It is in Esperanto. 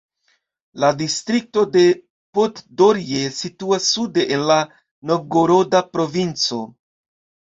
La distrikto de Poddorje situas sude en la Novgoroda provinco.